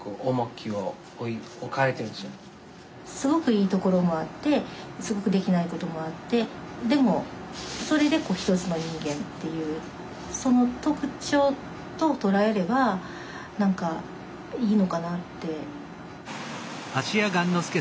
すごくいいところもあってすごくできない事もあってでもそれで一つの人間っていうその特徴と捉えれば何かいいのかなって。